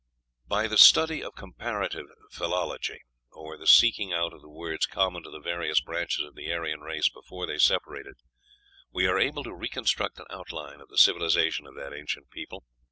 By the study of comparative philology, or the seeking out of the words common to the various branches of the Aryan race before they separated, we are able to reconstruct an outline of the civilization of that ancient people.